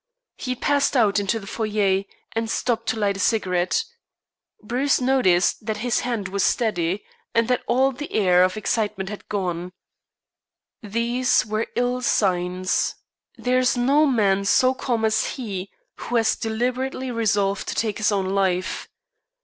He passed out into the foyer and stopped to light a cigarette. Bruce noticed that his hand was steady, and that all the air of excitement had gone. These were ill signs. There is no man so calm as he who has deliberately resolved to take his own life.